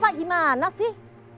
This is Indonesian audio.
bapak gimana sih